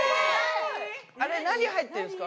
あれ、何入ってるんですか？